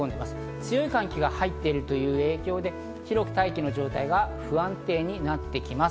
強い寒気が入っているという影響で広く大気の状態が不安定になってきます。